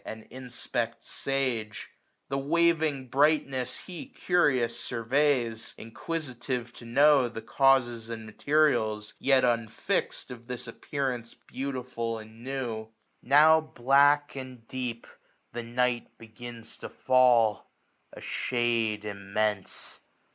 And inspect sage ; the waving brightness he Curious surveys, inquisitive to know The causes and materials, yet unfix'd. Of this appearance beautiful and new. 1 135 Now black, and deep, the night begins to fall, A shade immense